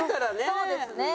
そうですね。